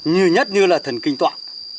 như nhất như là thần kinh tọa